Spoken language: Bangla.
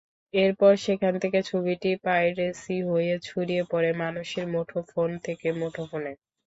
এরপর সেখান থেকে ছবিটি পাইরেসি হয়ে ছড়িয়ে পড়ে মানুষের মুঠোফোন থেকে মুঠোফোনে।